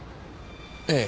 ええ。